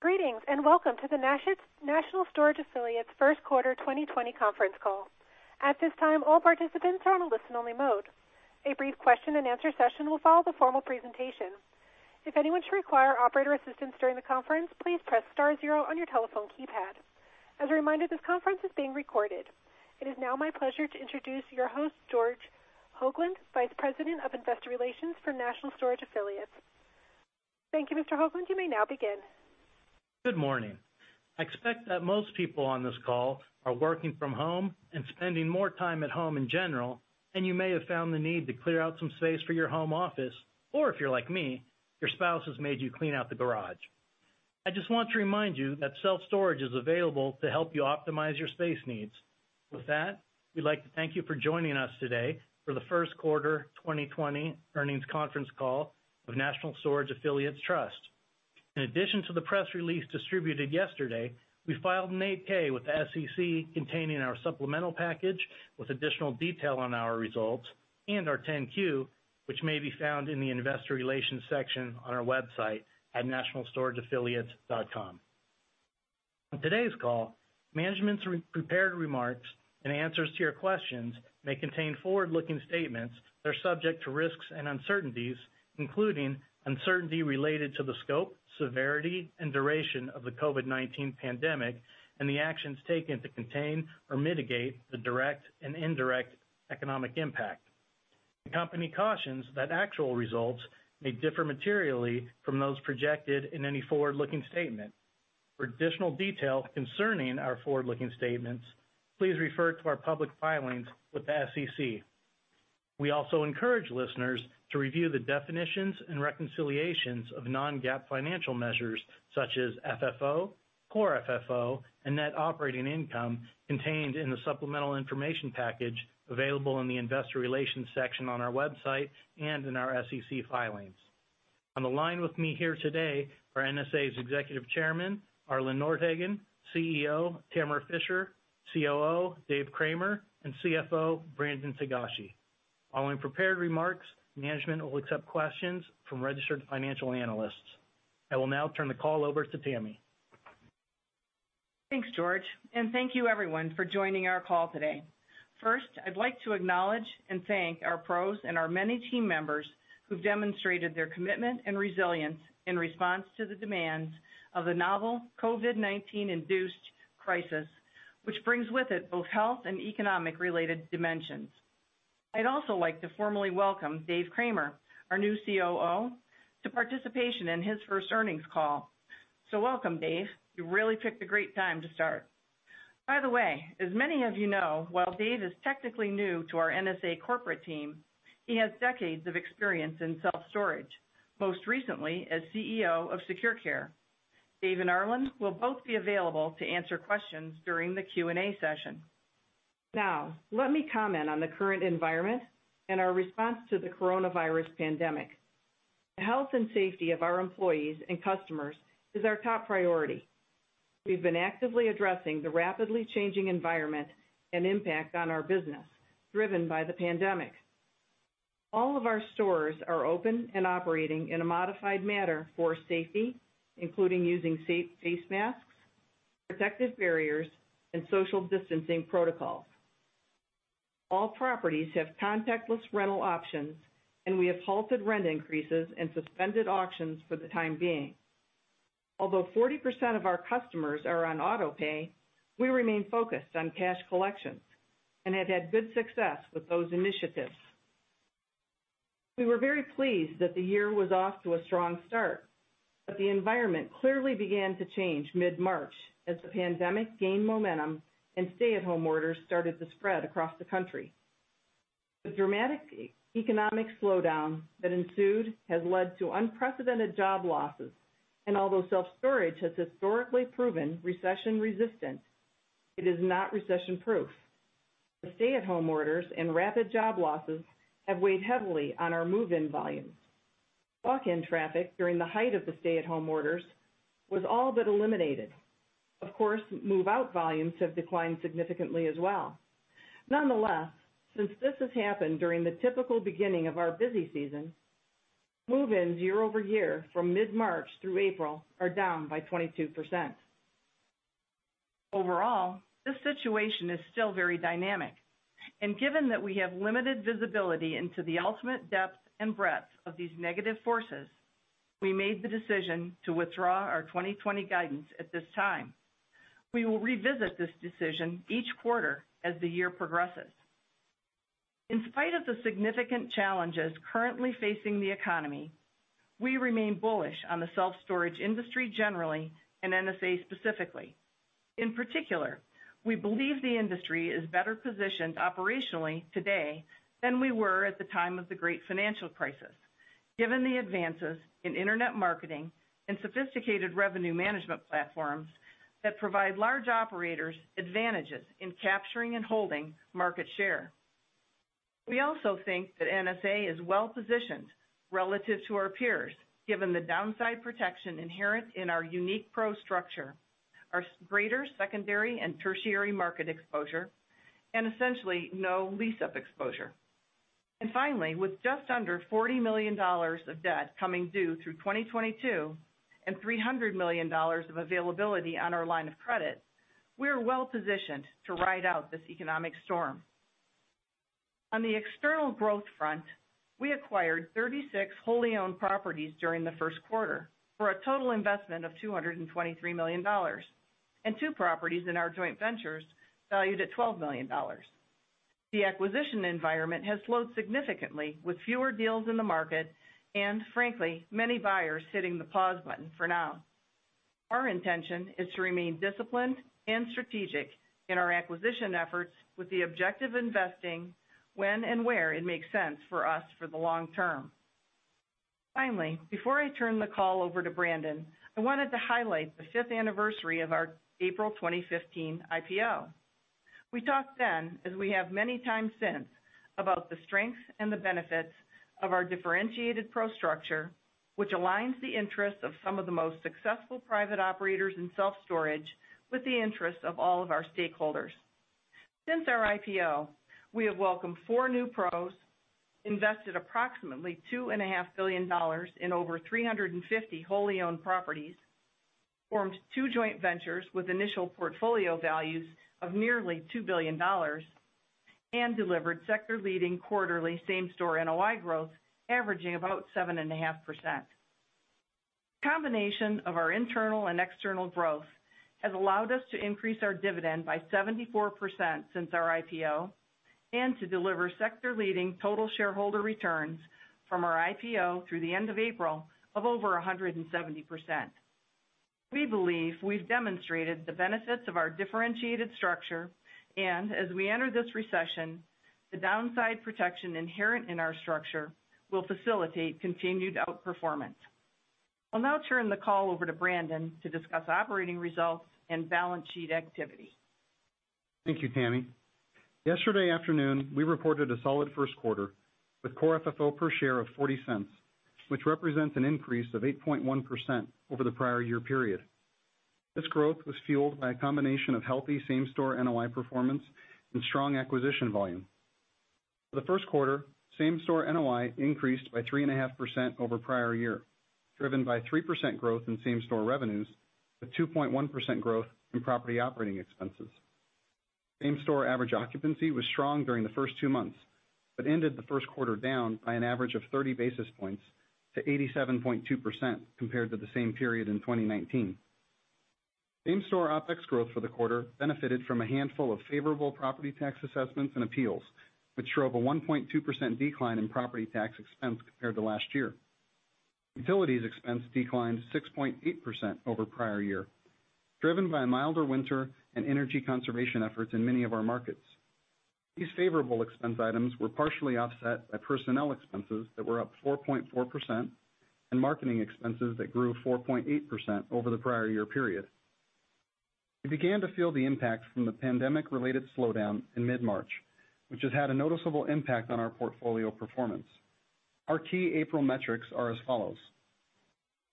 Greetings, and welcome to the National Storage Affiliates first quarter 2020 conference call. At this time, all participants are on a listen-only mode. A brief question and answer session will follow the formal presentation. If anyone should require operator assistance during the conference, please press star zero on your telephone keypad. As a reminder, this conference is being recorded. It is now my pleasure to introduce your host, George Hoglund, Vice President of Investor Relations for National Storage Affiliates. Thank you, Mr. Hoglund. You may now begin. Good morning. I expect that most people on this call are working from home and spending more time at home in general, and you may have found the need to clear out some space for your home office, or if you're like me, your spouse has made you clean out the garage. I just want to remind you that self-storage is available to help you optimize your space needs. With that, we'd like to thank you for joining us today for the first quarter 2020 earnings conference call of National Storage Affiliates Trust. In addition to the press release distributed yesterday, we filed an 8-K with the SEC containing our supplemental package with additional detail on our results and our 10-Q, which may be found in the investor relations section on our website at nationalstorageaffiliates.com. On today's call, management's prepared remarks and answers to your questions may contain forward-looking statements that are subject to risks and uncertainties, including uncertainty related to the scope, severity, and duration of the COVID-19 pandemic and the actions taken to contain or mitigate the direct and indirect economic impact. The company cautions that actual results may differ materially from those projected in any forward-looking statement. For additional detail concerning our forward-looking statements, please refer to our public filings with the SEC. We also encourage listeners to review the definitions and reconciliations of non-GAAP financial measures such as FFO, core FFO, and net operating income contained in the supplemental information package available in the investor relations section on our website and in our SEC filings. On the line with me here today are NSA's Executive Chairman, Arlen Nordhagen, CEO, Tamara Fischer, COO, Dave Cramer, and CFO, Brandon Togashi. Following prepared remarks, management will accept questions from registered financial analysts. I will now turn the call over to Tammy. Thanks, George, and thank you everyone for joining our call today. First, I'd like to acknowledge and thank our pros and our many team members who've demonstrated their commitment and resilience in response to the demands of the novel COVID-19-induced crisis, which brings with it both health and economic-related dimensions. I'd also like to formally welcome Dave Cramer, our new COO, to participation in his first earnings call. Welcome, Dave. You really picked a great time to start. By the way, as many of you know, while Dave is technically new to our NSA corporate team, he has decades of experience in self-storage, most recently as CEO of SecurCare. Dave and Arlen will both be available to answer questions during the Q&A session. Now, let me comment on the current environment and our response to the coronavirus pandemic. The health and safety of our employees and customers is our top priority. We've been actively addressing the rapidly changing environment and impact on our business, driven by the pandemic. All of our stores are open and operating in a modified manner for safety, including using face masks, protective barriers, and social distancing protocols. All properties have contactless rental options, and we have halted rent increases and suspended auctions for the time being. Although 40% of our customers are on auto pay, we remain focused on cash collections and have had good success with those initiatives. We were very pleased that the year was off to a strong start, but the environment clearly began to change mid-March as the pandemic gained momentum and stay-at-home orders started to spread across the country. The dramatic economic slowdown that ensued has led to unprecedented job losses, and although self-storage has historically proven recession-resistant, it is not recession-proof. The stay-at-home orders and rapid job losses have weighed heavily on our move-in volumes. Walk-in traffic during the height of the stay-at-home orders was all but eliminated. Of course, move-out volumes have declined significantly as well. Nonetheless, since this has happened during the typical beginning of our busy season, move-ins year-over-year from mid-March through April are down by 22%. Overall, this situation is still very dynamic, and given that we have limited visibility into the ultimate depth and breadth of these negative forces, we made the decision to withdraw our 2020 guidance at this time. We will revisit this decision each quarter as the year progresses. In spite of the significant challenges currently facing the economy, we remain bullish on the self-storage industry generally and NSA specifically. In particular, we believe the industry is better positioned operationally today than we were at the time of the great financial crisis, given the advances in internet marketing and sophisticated revenue management platforms that provide large operators advantages in capturing and holding market share. We also think that NSA is well-positioned relative to our peers, given the downside protection inherent in our unique pro structure, our greater secondary and tertiary market exposure, and essentially no lease-up exposure. Finally, with just under $40 million of debt coming due through 2022 and $300 million of availability on our line of credit, we are well-positioned to ride out this economic storm. On the external growth front, we acquired 36 wholly owned properties during the first quarter for a total investment of $223 million, and two properties in our joint ventures valued at $12 million. The acquisition environment has slowed significantly with fewer deals in the market and frankly, many buyers hitting the pause button for now. Our intention is to remain disciplined and strategic in our acquisition efforts with the objective investing when and where it makes sense for us for the long term. Finally, before I turn the call over to Brandon, I wanted to highlight the fifth anniversary of our April 2015 IPO. We talked then, as we have many times since, about the strengths and the benefits of our differentiated pro structure, which aligns the interests of some of the most successful private operators in self-storage with the interests of all of our stakeholders. Since our IPO, we have welcomed four new pros, invested approximately $2.5 billion in over 350 wholly owned properties, formed two joint ventures with initial portfolio values of nearly $2 billion. Delivered sector-leading quarterly same-store NOI growth averaging about 7.5%. Combination of our internal and external growth has allowed us to increase our dividend by 74% since our IPO. To deliver sector-leading total shareholder returns from our IPO through the end of April of over 170%. We believe we've demonstrated the benefits of our differentiated structure. As we enter this recession, the downside protection inherent in our structure will facilitate continued outperformance. I'll now turn the call over to Brandon to discuss operating results and balance sheet activity. Thank you, Tammy. Yesterday afternoon, we reported a solid first quarter with core FFO per share of $0.40, which represents an increase of 8.1% over the prior year period. This growth was fueled by a combination of healthy same-store NOI performance and strong acquisition volume. For the first quarter, same-store NOI increased by 3.5% over prior year, driven by 3% growth in same-store revenues with 2.1% growth in property operating expenses. Same-store average occupancy was strong during the first two months, but ended the first quarter down by an average of 30 basis points to 87.2% compared to the same period in 2019. Same-store OpEx growth for the quarter benefited from a handful of favorable property tax assessments and appeals, which drove a 1.2% decline in property tax expense compared to last year. Utilities expense declined 6.8% over prior year, driven by a milder winter and energy conservation efforts in many of our markets. These favorable expense items were partially offset by personnel expenses that were up 4.4% and marketing expenses that grew 4.8% over the prior year period. We began to feel the impact from the pandemic-related slowdown in mid-March, which has had a noticeable impact on our portfolio performance. Our key April metrics are as follows.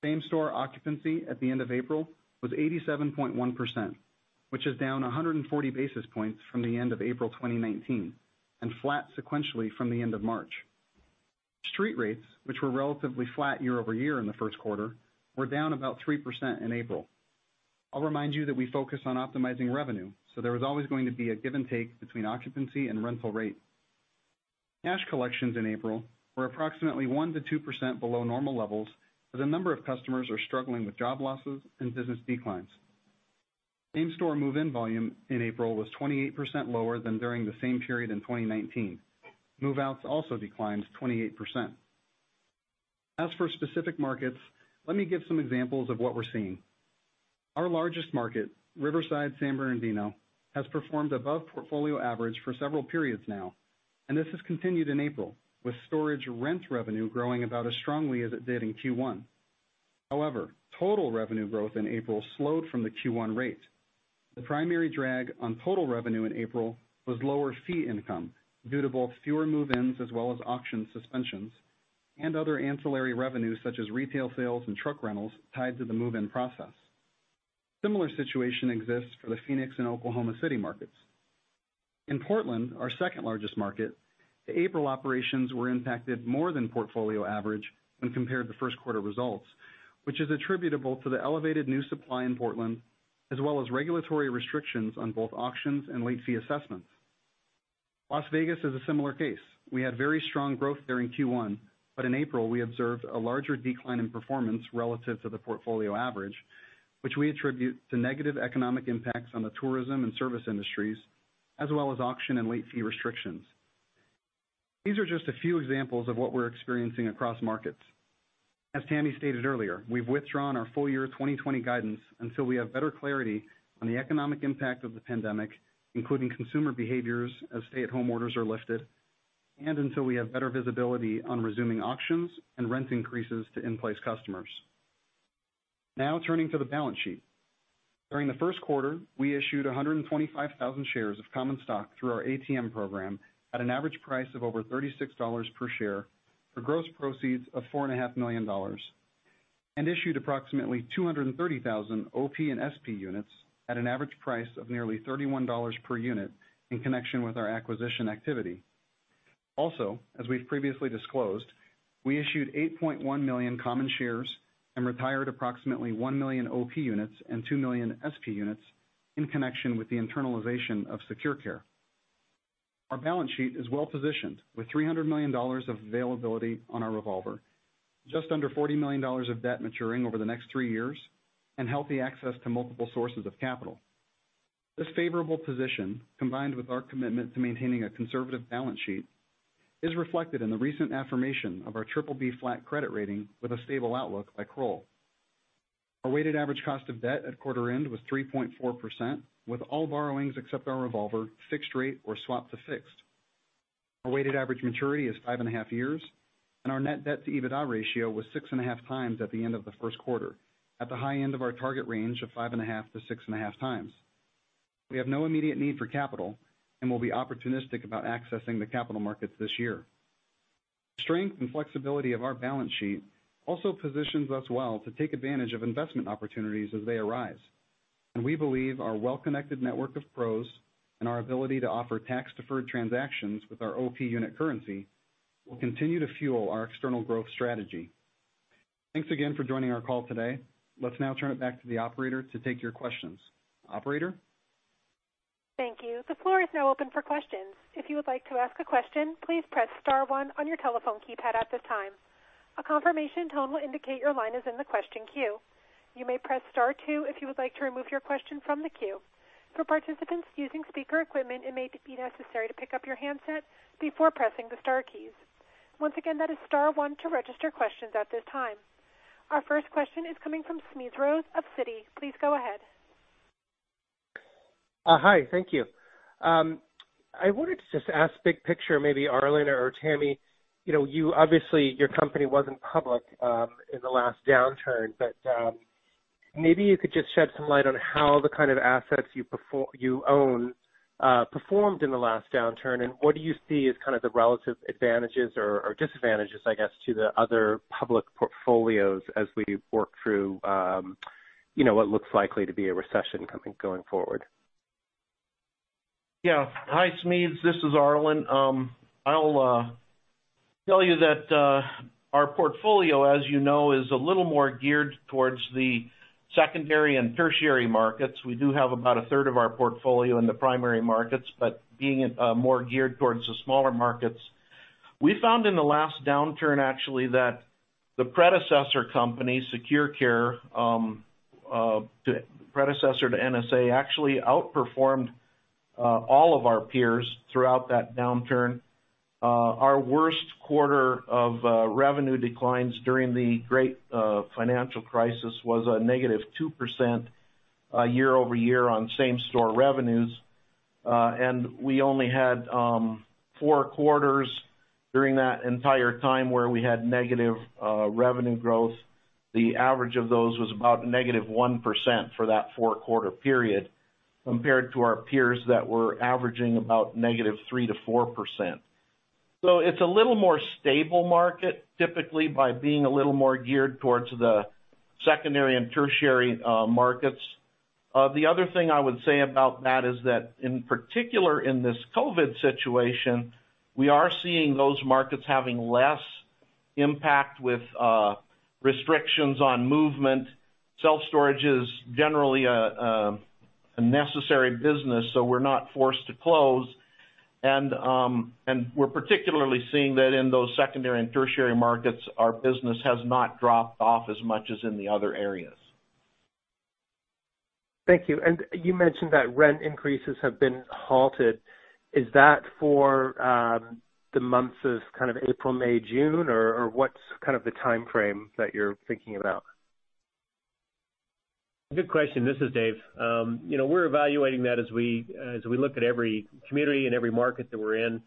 same-store occupancy at the end of April was 87.1%, which is down 140 basis points from the end of April 2019, and flat sequentially from the end of March. Street rates, which were relatively flat year-over-year in the first quarter, were down about 3% in April. I'll remind you that we focus on optimizing revenue, there was always going to be a give and take between occupancy and rental rate. Cash collections in April were approximately 1%-2% below normal levels, as a number of customers are struggling with job losses and business declines. Same-store move-in volume in April was 28% lower than during the same period in 2019. Move-outs also declined 28%. As for specific markets, let me give some examples of what we're seeing. Our largest market, Riverside/San Bernardino, has performed above portfolio average for several periods now, and this has continued in April, with storage rent revenue growing about as strongly as it did in Q1. However, total revenue growth in April slowed from the Q1 rate. The primary drag on total revenue in April was lower fee income due to both fewer move-ins as well as auction suspensions and other ancillary revenues such as retail sales and truck rentals tied to the move-in process. Similar situation exists for the Phoenix and Oklahoma City markets. In Portland, our second-largest market, the April operations were impacted more than portfolio average when compared to first quarter results, which is attributable to the elevated new supply in Portland, as well as regulatory restrictions on both auctions and late fee assessments. Las Vegas is a similar case. We had very strong growth there in Q1, but in April, we observed a larger decline in performance relative to the portfolio average, which we attribute to negative economic impacts on the tourism and service industries, as well as auction and late fee restrictions. These are just a few examples of what we're experiencing across markets. As Tammy stated earlier, we've withdrawn our full-year 2020 guidance until we have better clarity on the economic impact of the pandemic, including consumer behaviors as stay-at-home orders are lifted, and until we have better visibility on resuming auctions and rent increases to in-place customers. Now turning to the balance sheet. During the first quarter, we issued 125,000 shares of common stock through our ATM program at an average price of over $36 per share for gross proceeds of $4.5 million. Issued approximately 230,000 OP and SP units at an average price of nearly $31 per unit in connection with our acquisition activity. Also, as we've previously disclosed, we issued 8.1 million common shares and retired approximately 1 million OP units and 2 million SP units in connection with the internalization of SecurCare. Our balance sheet is well-positioned with $300 million of availability on our revolver, just under $40 million of debt maturing over the next three years, and healthy access to multiple sources of capital. This favorable position, combined with our commitment to maintaining a conservative balance sheet, is reflected in the recent affirmation of our BBB flat credit rating with a stable outlook by Kroll. Our weighted average cost of debt at quarter end was 3.4%, with all borrowings except our revolver fixed rate or swapped to fixed. Our weighted average maturity is five and a half years, and our net debt to EBITDA ratio was 6.5 times at the end of the first quarter, at the high end of our target range of 5.5 times-6.5 times. We have no immediate need for capital and will be opportunistic about accessing the capital markets this year. The strength and flexibility of our balance sheet also positions us well to take advantage of investment opportunities as they arise, and we believe our well-connected network of pros and our ability to offer tax-deferred transactions with our OP unit currency will continue to fuel our external growth strategy. Thanks again for joining our call today. Let's now turn it back to the operator to take your questions. Operator? Thank you. The floor is now open for questions. If you would like to ask a question, please press star one on your telephone keypad at this time. A confirmation tone will indicate your line is in the question queue. You may press star two if you would like to remove your question from the queue. For participants using speaker equipment, it may be necessary to pick up your handset before pressing the star keys. Once again, that is star one to register questions at this time. Our first question is coming from Smedes Rose of Citi. Please go ahead. Hi. Thank you. I wanted to just ask big picture, maybe Arlen Nordhagen or Tammy, obviously your company wasn't public in the last downturn, maybe you could just shed some light on how the kind of assets you own performed in the last downturn, and what do you see as kind of the relative advantages or disadvantages, I guess, to the other public portfolios as we work through what looks likely to be a recession going forward? Yeah. Hi, Smedes. This is Arlen. I'll tell you that our portfolio, as you know, is a little more geared towards the secondary and tertiary markets. We do have about a third of our portfolio in the primary markets, being more geared towards the smaller markets. We found in the last downturn, actually, that the predecessor company, SecurCare, predecessor to NSA, actually outperformed all of our peers throughout that downturn. Our worst quarter of revenue declines during the great financial crisis was a -2% year-over-year on same-store revenues. We only had four quarters during that entire time where we had negative revenue growth. The average of those was about negative 1% for that four-quarter period, compared to our peers that were averaging about -3%, -4%. It's a little more stable market, typically, by being a little more geared towards the secondary and tertiary markets. The other thing I would say about that is that in particular in this COVID-19 situation, we are seeing those markets having less impact with restrictions on movement. Self-storage is generally a necessary business, so we're not forced to close, and we're particularly seeing that in those secondary and tertiary markets, our business has not dropped off as much as in the other areas. Thank you. You mentioned that rent increases have been halted. Is that for the months of kind of April, May, June, or what's kind of the timeframe that you're thinking about? Good question. This is Dave. We're evaluating that as we look at every community and every market that we're in.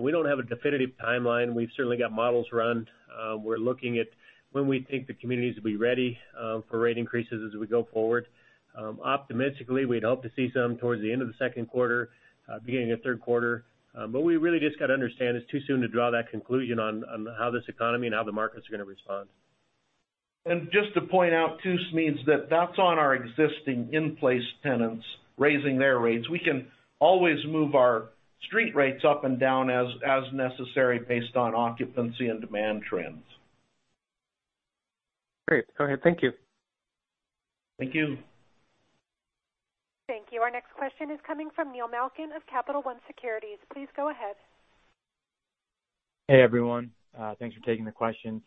We don't have a definitive timeline. We've certainly got models run. We're looking at when we think the communities will be ready for rate increases as we go forward. Optimistically, we'd hope to see some towards the end of the second quarter, beginning of third quarter. We really just got to understand it's too soon to draw that conclusion on how this economy and how the markets are going to respond. Just to point out too, Smedes, that that's on our existing in-place tenants, raising their rates. We can always move our street rates up and down as necessary based on occupancy and demand trends. Great. Go ahead, thank you. Thank you. Thank you. Our next question is coming from Neil Malkin of Capital One Securities. Please go ahead. Hey, everyone. Thanks for taking the questions.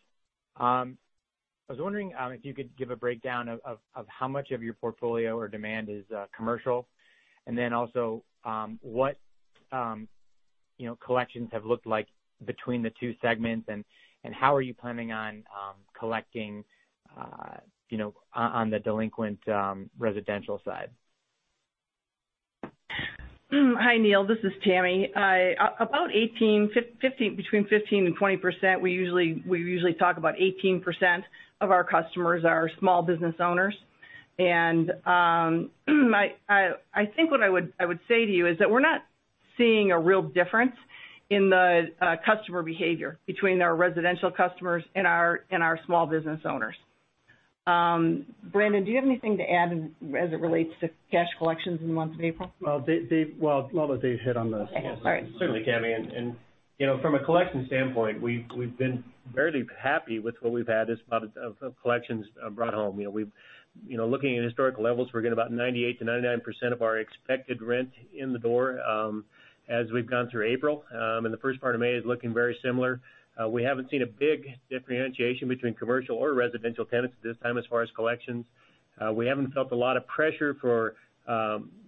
I was wondering if you could give a breakdown of how much of your portfolio or demand is commercial, and then also what collections have looked like between the two segments, and how are you planning on collecting on the delinquent residential side? Hi, Neil. This is Tamara. Between 15%-20%. We usually talk about 18% of our customers are small business owners. I think what I would say to you is that we're not seeing a real difference in the customer behavior between our residential customers and our small business owners. Brandon, do you have anything to add as it relates to cash collections in the month of April? Well, Dave hit on most of it. Okay. All right. Certainly, Cami. From a collection standpoint, we've been fairly happy with what we've had as part of collections brought home. Looking at historical levels, we're getting about 98%-99% of our expected rent in the door as we've gone through April, and the first part of May is looking very similar. We haven't seen a big differentiation between commercial or residential tenants at this time as far as collections. We haven't felt a lot of pressure for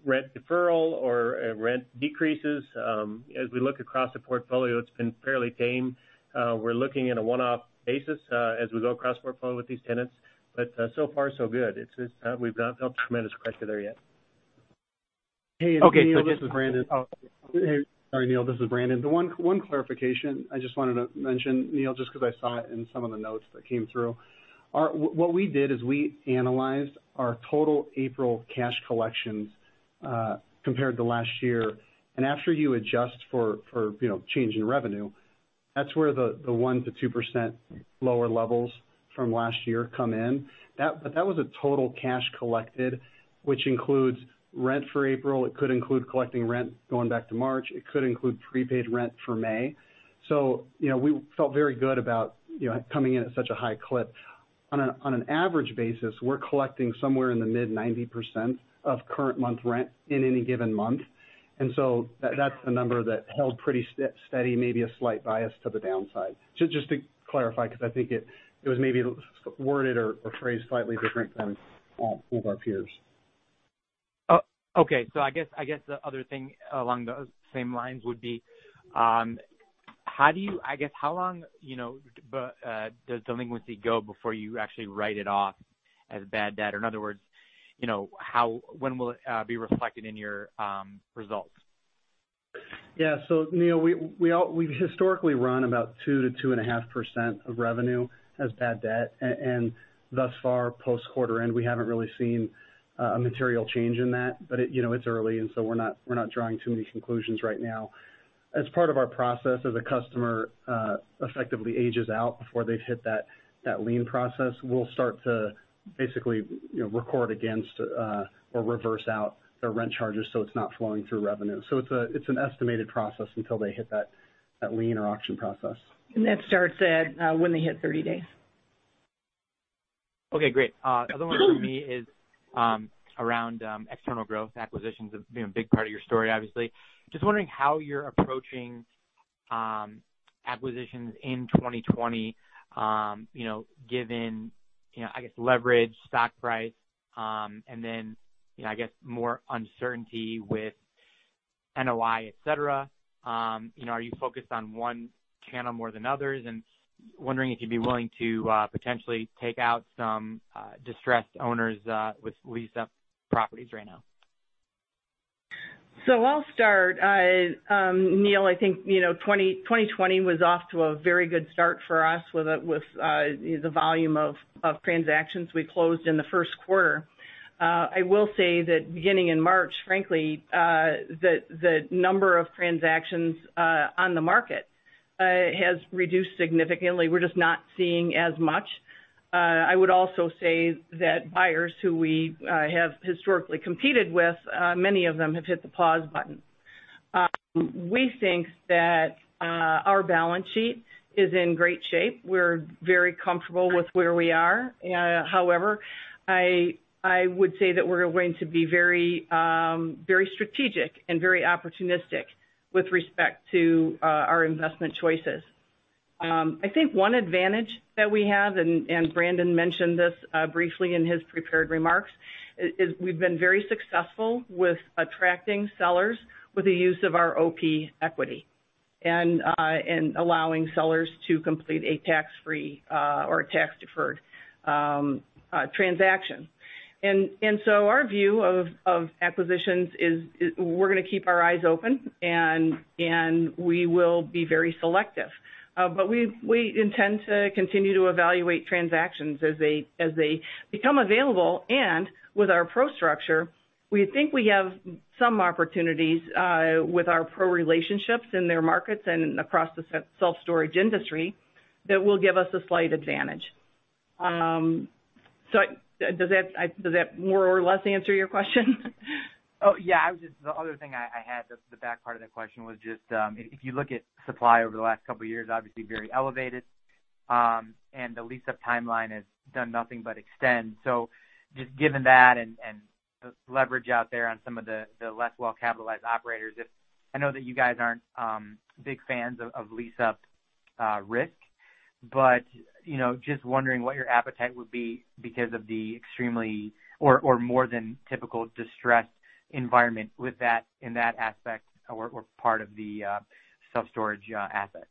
rent deferral or rent decreases. As we look across the portfolio, it's been fairly tame. We're looking at a one-off basis as we go across the portfolio with these tenants. So far so good. We've not felt tremendous pressure there yet. Hey. Okay. This is Brandon. Sorry, Neil, this is Brandon. The one clarification I just wanted to mention, Neil, just because I saw it in some of the notes that came through. What we did is we analyzed our total April cash collections compared to last year. After you adjust for change in revenue, that's where the 1%-2% lower levels from last year come in. That was a total cash collected, which includes rent for April. It could include collecting rent going back to March. It could include prepaid rent for May. We felt very good about coming in at such a high clip. On an average basis, we're collecting somewhere in the mid-90% of current month rent in any given month. That's a number that held pretty steady, maybe a slight bias to the downside. Just to clarify, because I think it was maybe worded or phrased slightly different than with our peers. Okay. I guess the other thing along those same lines would be, how long does delinquency go before you actually write it off as bad debt? In other words, when will it be reflected in your results? Neil, we've historically run about 2%-2.5% of revenue as bad debt. Thus far, post quarter-end, we haven't really seen a material change in that. It's early, we're not drawing too many conclusions right now. As part of our process, as a customer effectively ages out before they've hit that lien process, we'll start to basically record against or reverse out their rent charges so it's not flowing through revenue. It's an estimated process until they hit that lien or auction process. That starts at when they hit 30 days. Okay, great. Other one from me is around external growth acquisitions, a big part of your story, obviously. Just wondering how you're approaching acquisitions in 2020 given, I guess, leverage, stock price, and then, I guess, more uncertainty with NOI, et cetera. Are you focused on one channel more than others? Wondering if you'd be willing to potentially take out some distressed owners with lease-up properties right now. I'll start. Neil, I think 2020 was off to a very good start for us with the volume of transactions we closed in the first quarter. I will say that beginning in March, frankly, the number of transactions on the market has reduced significantly. We're just not seeing as much. I would also say that buyers who we have historically competed with, many of them have hit the pause button. We think that our balance sheet is in great shape. We're very comfortable with where we are. However, I would say that we're going to be very strategic and very opportunistic with respect to our investment choices. I think one advantage that we have, and Brandon mentioned this briefly in his prepared remarks, is we've been very successful with attracting sellers with the use of our OP equity, and allowing sellers to complete a tax-free or a tax-deferred transaction. Our view of acquisitions is we're going to keep our eyes open, and we will be very selective. We intend to continue to evaluate transactions as they become available. With our PRO structure, we think we have some opportunities with our PRO relationships in their markets and across the self-storage industry that will give us a slight advantage. Does that more or less answer your question? Oh, yeah. The other thing I had, the back part of that question was just if you look at supply over the last couple of years, obviously very elevated. The lease-up timeline has done nothing but extend. Just given that and the leverage out there on some of the less well-capitalized operators, I know that you guys aren't big fans of lease-up risk, but just wondering what your appetite would be because of the extremely or more than typical distressed environment in that aspect or part of the self-storage asset.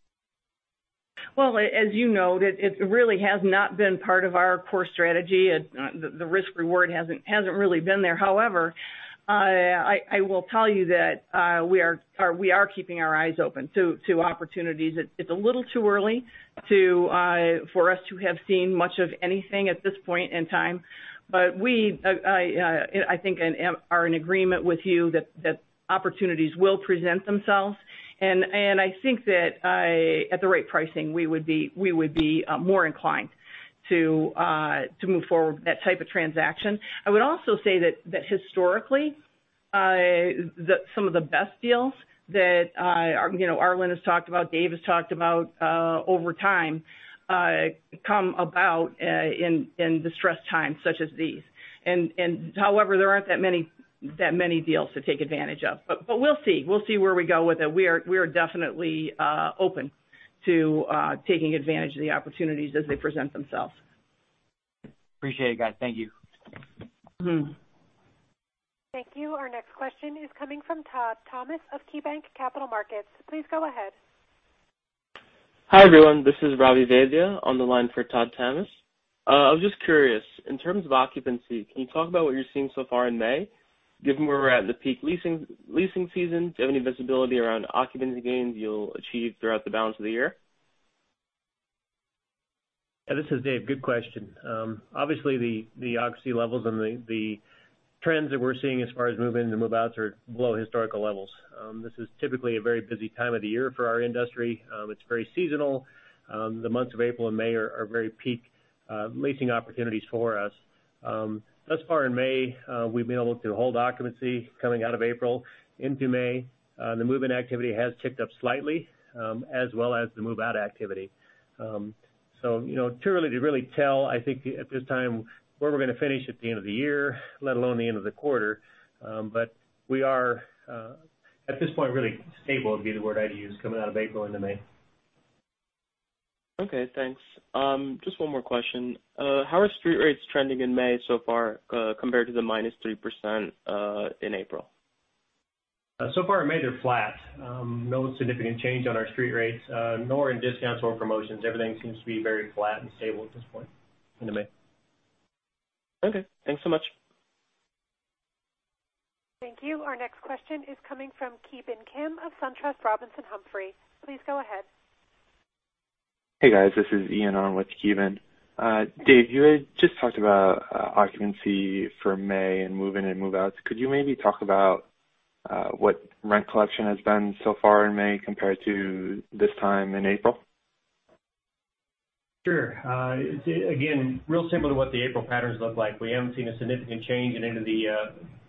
Well, as you noted, it really has not been part of our core strategy. The risk-reward hasn't really been there. However, I will tell you that we are keeping our eyes open to opportunities. It's a little too early for us to have seen much of anything at this point in time. We, I think, are in agreement with you that opportunities will present themselves, and I think that at the right pricing, we would be more inclined to move forward with that type of transaction. I would also say that historically, some of the best deals that Arlen has talked about, Dave has talked about over time, come about in distressed times such as these. However, there aren't that many deals to take advantage of. We'll see where we go with it. We are definitely open to taking advantage of the opportunities as they present themselves. Appreciate it, guys. Thank you. Thank you. Our next question is coming from Todd Thomas of KeyBanc Capital Markets. Please go ahead. Hi, everyone. This is Ravi Vaidya on the line for Todd Thomas. I was just curious, in terms of occupancy, can you talk about what you're seeing so far in May, given where we're at in the peak leasing season? Do you have any visibility around occupancy gains you'll achieve throughout the balance of the year? Yeah, this is Dave. Good question. Obviously, the occupancy levels and the trends that we're seeing as far as move-ins and move-outs are below historical levels. This is typically a very busy time of the year for our industry. It's very seasonal. The months of April and May are very peak leasing opportunities for us. Thus far in May, we've been able to hold occupancy coming out of April into May. The move-in activity has ticked up slightly, as well as the move-out activity. Too early to really tell, I think, at this time, where we're going to finish at the end of the year, let alone the end of the quarter. We are, at this point, really stable would be the word I'd use coming out of April into May. Okay, thanks. Just one more question. How are street rates trending in May so far compared to the minus 3% in April? Far in May, they're flat. No significant change on our street rates, nor in discounts or promotions. Everything seems to be very flat and stable at this point into May. Okay. Thanks so much. Thank you. Our next question is coming from Ki Bin Kim of SunTrust Robinson Humphrey. Please go ahead. Hey, guys. This is Ian on with Ki Bin. Dave, you had just talked about occupancy for May and move-in and move-outs. Could you maybe talk about what rent collection has been so far in May compared to this time in April? Sure. Again, real similar to what the April patterns look like. We haven't seen a significant change in any of the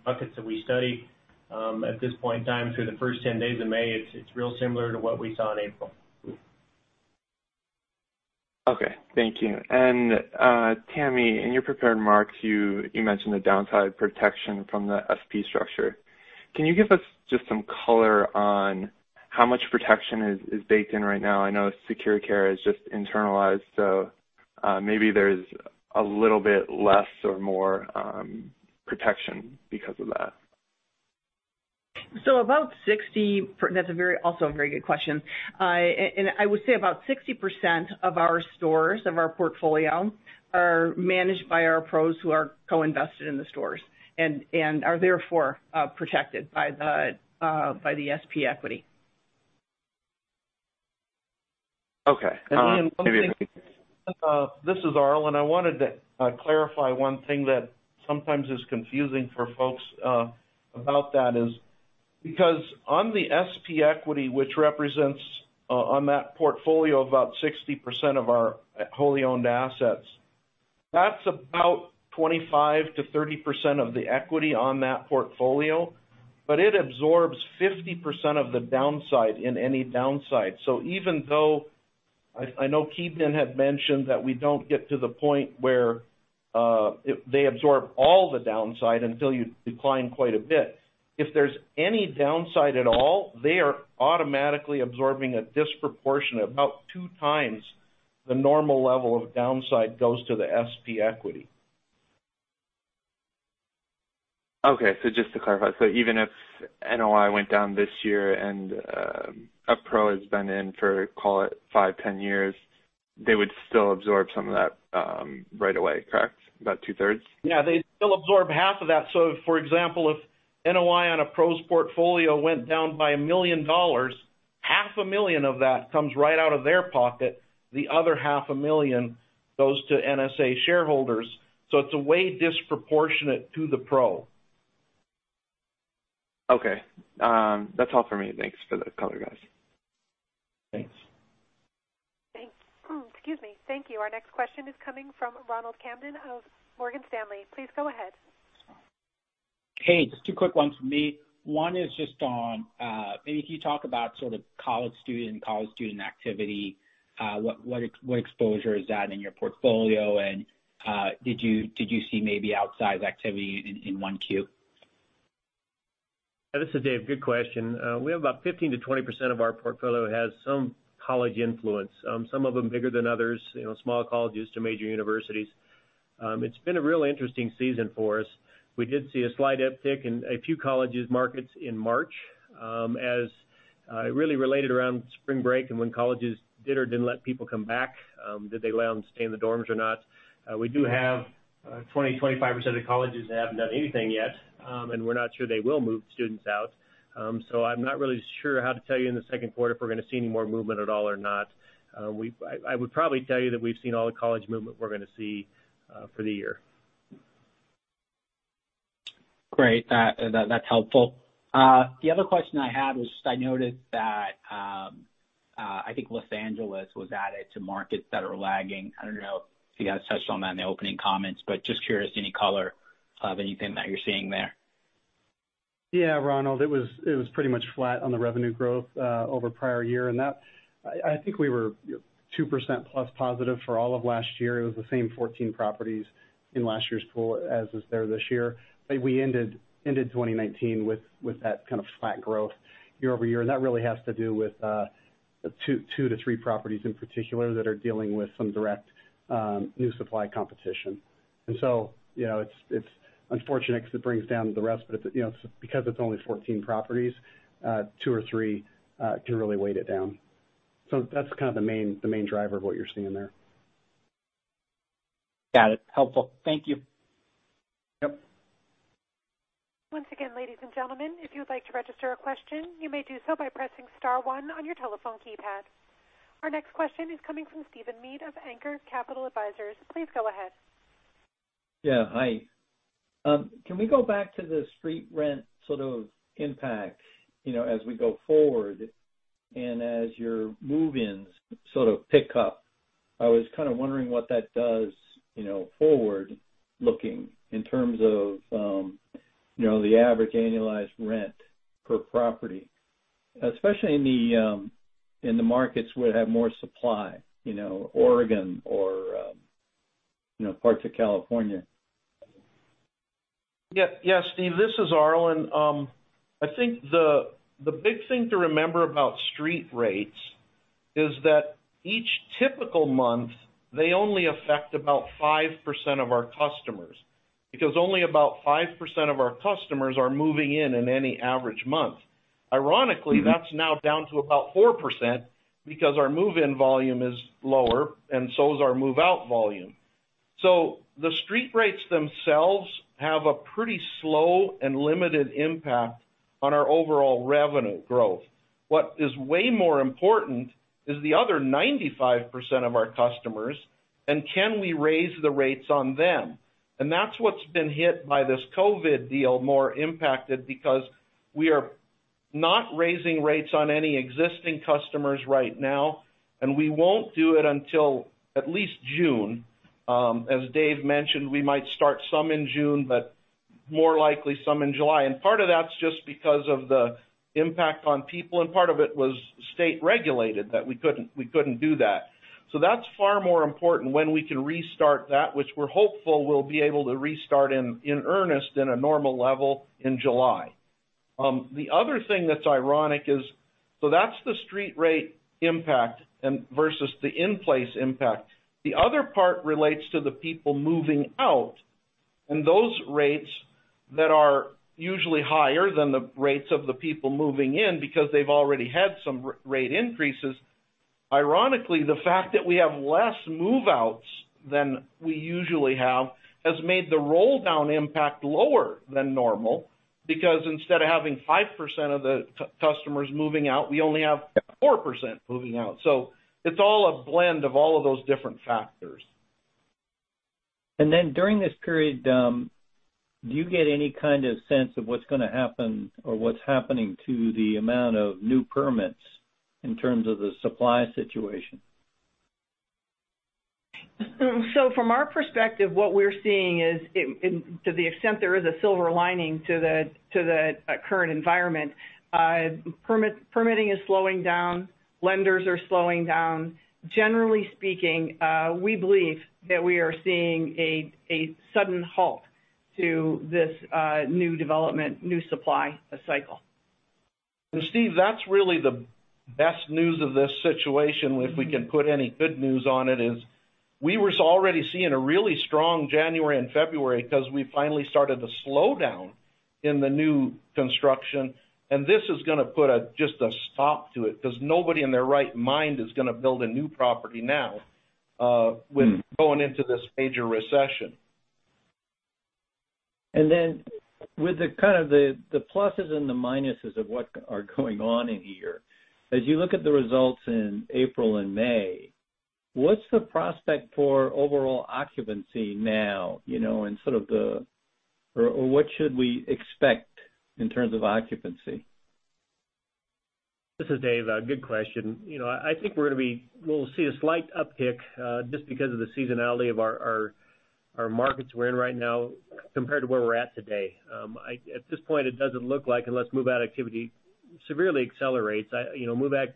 buckets that we study. At this point in time, through the first 10 days of May, it's real similar to what we saw in April. Okay. Thank you. Tammy, in your prepared remarks, you mentioned the downside protection from the SP structure. Can you give us just some color on how much protection is baked in right now? I know SecurCare is just internalized, so maybe there's a little bit less or more protection because of that. That's also a very good question. I would say about 60% of our stores, of our portfolio, are managed by our PROs who are co-invested in the stores, and are therefore protected by the SP equity. Okay. Ian, one thing. This is Arlen. I wanted to clarify one thing that sometimes is confusing for folks about that is because on the SP equity, which represents on that portfolio about 60% of our wholly owned assets, that's about 25%-30% of the equity on that portfolio, but it absorbs 50% of the downside in any downside. Even though I know Ki Bin had mentioned that we don't get to the point where they absorb all the downside until you decline quite a bit. If there's any downside at all, they are automatically absorbing a disproportionate, about two times the normal level of downside goes to the SP equity. Okay. Just to clarify, so even if NOI went down this year and a PRO has been in for, call it, five, 10 years, they would still absorb some of that right away, correct? About two-thirds? Yeah, they'd still absorb half of that. For example, if NOI on a PRO's portfolio went down by $1 million, half a million of that comes right out of their pocket. The other half a million goes to NSA shareholders. It's way disproportionate to the PRO. Okay. That's all for me. Thanks for the color, guys. Thanks. Thank you. Our next question is coming from Ronald Kamdem of Morgan Stanley. Please go ahead. Hey, just two quick ones from me. One is just on maybe if you talk about sort of college student and college student activity, what exposure is that in your portfolio, and did you see maybe outsized activity in 1Q? This is Dave. Good question. We have about 15%-20% of our portfolio has some college influence. Some of them bigger than others, small colleges to major universities. It's been a real interesting season for us. We did see a slight uptick in a few college markets in March as it really related around spring break and when colleges did or didn't let people come back. Did they allow them to stay in the dorms or not? We do have 20%, 25% of colleges that haven't done anything yet, and we're not sure they will move students out. I'm not really sure how to tell you in the second quarter if we're going to see any more movement at all or not. I would probably tell you that we've seen all the college movement we're going to see for the year. Great. That's helpful. The other question I had was, I noticed that, I think Los Angeles was added to markets that are lagging. I don't know if you guys touched on that in the opening comments, but just curious, any color of anything that you're seeing there? Yeah, Ronald. It was pretty much flat on the revenue growth, over prior year. I think we were 2%+ positive for all of last year. It was the same 14 properties in last year's pool as is there this year. We ended 2019 with that kind of flat growth year-over-year. That really has to do with two to three properties in particular that are dealing with some direct new supply competition. It's unfortunate because it brings down the rest, but because it's only 14 properties, two or three can really weigh it down. That's kind of the main driver of what you're seeing there. Got it. Helpful. Thank you. Yep. Once again, ladies and gentlemen, if you would like to register a question, you may do so by pressing star one on your telephone keypad. Our next question is coming from Stephen Mead of Anchor Capital Advisors. Please go ahead. Yeah, hi. Can we go back to the street rent sort of impact, as we go forward and as your move-ins sort of pick up? I was kind of wondering what that does forward looking in terms of the average annualized rent per property, especially in the markets where they have more supply, Oregon or parts of California. Steve, this is Arlen. I think the big thing to remember about street rates is that each typical month, they only affect about 5% of our customers, because only about 5% of our customers are moving in in any average month. Ironically, that's now down to about 4% because our move-in volume is lower, and so is our move-out volume. The street rates themselves have a pretty slow and limited impact on our overall revenue growth. What is way more important is the other 95% of our customers, and can we raise the rates on them? That's what's been hit by this COVID-19 deal, more impacted because we are not raising rates on any existing customers right now, and we won't do it until at least June. As Dave mentioned, we might start some in June, but more likely some in July, and part of that's just because of the impact on people, and part of it was state regulated that we couldn't do that. That's far more important when we can restart that, which we're hopeful we'll be able to restart in earnest in a normal level in July. The other thing that's ironic is, so that's the street rate impact versus the in-place impact. The other part relates to the people moving out, and those rates that are usually higher than the rates of the people moving in because they've already had some rate increases. Ironically, the fact that we have less move-outs than we usually have has made the roll-down impact lower than normal because instead of having 5% of the customers moving out, we only have 4% moving out. It's all a blend of all of those different factors. During this period, do you get any kind of sense of what's going to happen or what's happening to the amount of new permits in terms of the supply situation? From our perspective, what we're seeing is, to the extent there is a silver lining to the current environment, permitting is slowing down. Lenders are slowing down. Generally speaking, we believe that we are seeing a sudden halt to this new development, new supply cycle. Steve, that's really the best news of this situation, if we can put any good news on it, is we were already seeing a really strong January and February because we finally started to slow down in the new construction, and this is going to put just a stop to it because nobody in their right mind is going to build a new property now. with going into this major recession. Then with the kind of the pluses and the minuses of what are going on in here, as you look at the results in April and May, what's the prospect for overall occupancy now, or what should we expect in terms of occupancy? This is Dave. Good question. I think we'll see a slight uptick, just because of the seasonality of our markets we're in right now compared to where we're at today. At this point, it doesn't look like, unless move-out activity severely accelerates.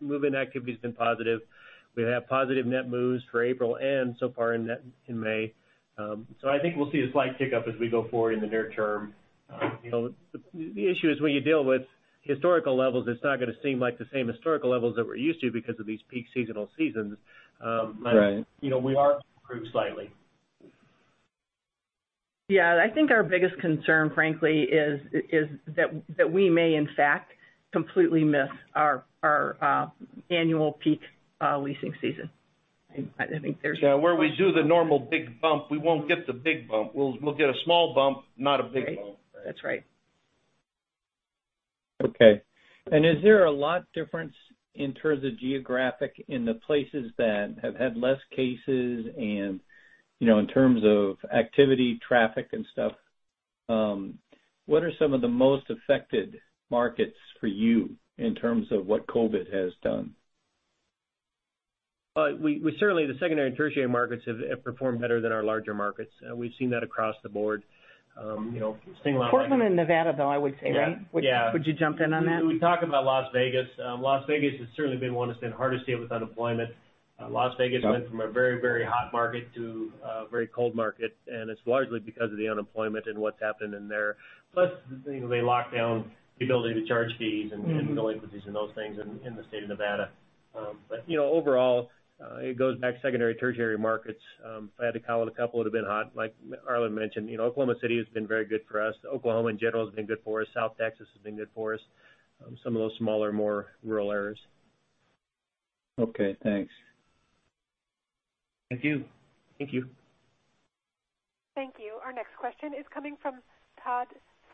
Move-in activity's been positive. We have positive net moves for April and so far in May. I think we'll see a slight tick up as we go forward in the near term. The issue is when you deal with historical levels, it's not going to seem like the same historical levels that we're used to because of these peak seasonal seasons. Right. We are improved slightly. Yeah. I think our biggest concern, frankly, is that we may, in fact, completely miss our annual peak leasing season. Yeah, where we do the normal big bump, we won't get the big bump. We'll get a small bump, not a big bump. That's right. Okay. Is there a lot difference in terms of geographic in the places that have had less cases and in terms of activity, traffic, and stuff? What are some of the most affected markets for you in terms of what COVID has done? Certainly, the secondary and tertiary markets have performed better than our larger markets. We've seen that across the board. Portland and Nevada, though, I would say, right? Yeah. Would you jump in on that? We talked about Las Vegas. Las Vegas has certainly been one that's been hardest hit with unemployment. Las Vegas went from a very hot market to a very cold market, and it's largely because of the unemployment and what's happened in there. Plus, they locked down the ability to charge fees and delinquencies and those things in the state of Nevada. Overall, it goes back secondary, tertiary markets. If I had to call out a couple that have been hot, like Arlen mentioned, Oklahoma City has been very good for us. Oklahoma, in general, has been good for us. South Texas has been good for us. Some of those smaller, more rural areas. Okay, thanks. Thank you. Thank you. Thank you. Our next question is coming from Todd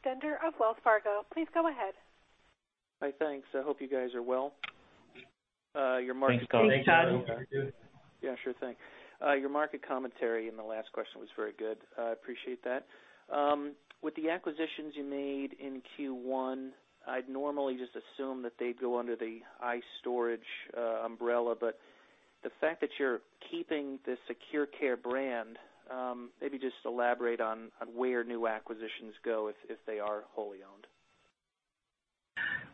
Stender of Wells Fargo. Please go ahead. Hi, thanks. I hope you guys are well. Thanks, Todd. Thanks, Todd. Yeah, sure thing. Your market commentary in the last question was very good. I appreciate that. With the acquisitions you made in Q1, I'd normally just assume that they'd go under the iStorage umbrella, but the fact that you're keeping the SecurCare brand, maybe just elaborate on where new acquisitions go if they are wholly owned.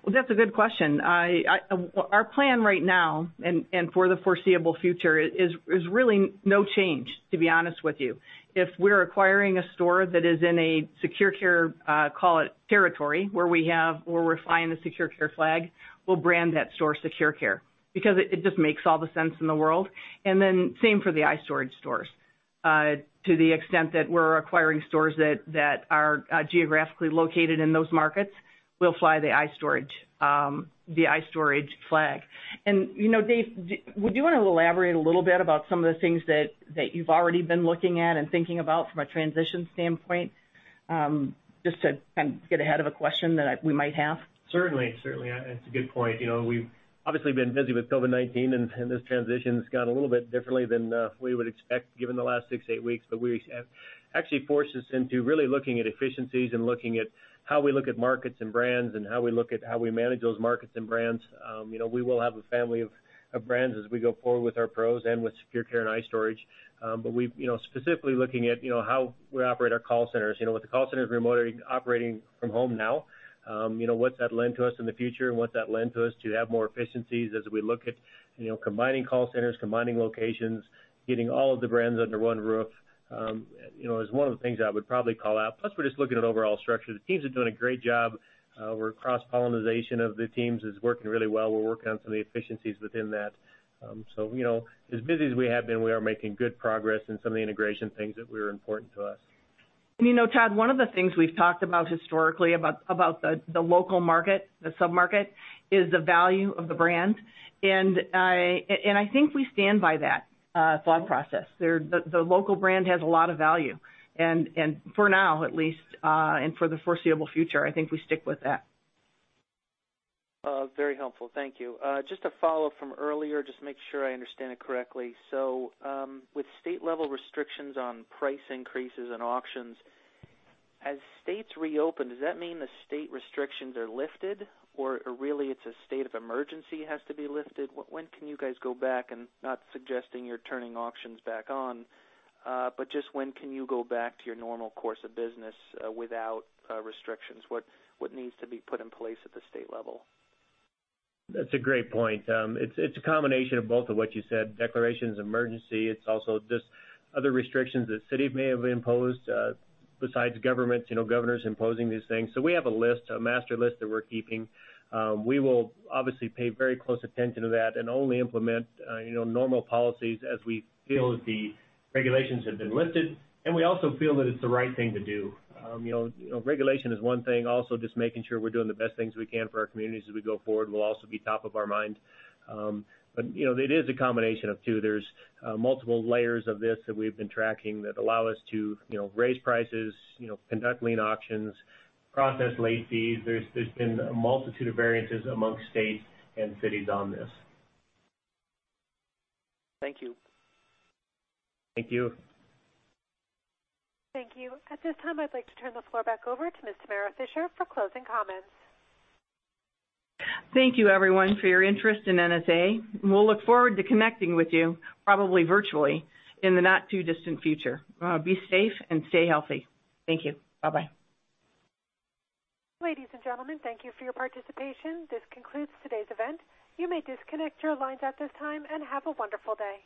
Well, that's a good question. Our plan right now and for the foreseeable future is really no change, to be honest with you. If we're acquiring a store that is in a SecurCare, call it territory, where we're flying the SecurCare flag, we'll brand that store SecurCare because it just makes all the sense in the world. Same for the iStorage stores. To the extent that we're acquiring stores that are geographically located in those markets, we'll fly the iStorage flag. Dave, would you want to elaborate a little bit about some of the things that you've already been looking at and thinking about from a transition standpoint? Just to kind of get ahead of a question that we might have. Certainly. It's a good point. We've obviously been busy with COVID-19, and this transition's gone a little bit differently than we would expect given the last six, eight weeks. It actually forced us into really looking at efficiencies and looking at how we look at markets and brands and how we look at how we manage those markets and brands. We will have a family of brands as we go forward with Our Pros and with SecurCare and iStorage. Specifically looking at how we operate our call centers. With the call centers operating from home now, what's that lend to us in the future, and what's that lend to us to have more efficiencies as we look at combining call centers, combining locations, getting all of the brands under one roof, is one of the things I would probably call out. Plus, we're just looking at overall structure. The teams are doing a great job, where cross-pollinization of the teams is working really well. We're working on some of the efficiencies within that. As busy as we have been, we are making good progress in some of the integration things that were important to us. Todd, one of the things we've talked about historically about the local market, the sub-market, is the value of the brand. I think we stand by that thought process. The local brand has a lot of value. For now, at least, and for the foreseeable future, I think we stick with that. Very helpful. Thank you. Just to follow up from earlier, just make sure I understand it correctly. With state-level restrictions on price increases and auctions, as states reopen, does that mean the state restrictions are lifted, or really it's a state of emergency has to be lifted? When can you guys go back, and not suggesting you're turning auctions back on, but just when can you go back to your normal course of business without restrictions? What needs to be put in place at the state level? That's a great point. It's a combination of both of what you said, declarations of emergency. It's also just other restrictions that cities may have imposed besides governments, governors imposing these things. We have a list, a master list that we're keeping. We will obviously pay very close attention to that and only implement normal policies as we feel that the regulations have been lifted, and we also feel that it's the right thing to do. Regulation is one thing. Also, just making sure we're doing the best things we can for our communities as we go forward will also be top of our mind. It is a combination of two. There's multiple layers of this that we've been tracking that allow us to raise prices, conduct lien auctions, process late fees. There's been a multitude of variances amongst states and cities on this. Thank you. Thank you. Thank you. At this time, I'd like to turn the floor back over to Ms. Tamara Fischer for closing comments. Thank you, everyone, for your interest in NSA. We'll look forward to connecting with you, probably virtually, in the not-too-distant future. Be safe and stay healthy. Thank you. Bye-bye. Ladies and gentlemen, thank you for your participation. This concludes today's event. You may disconnect your lines at this time, and have a wonderful day.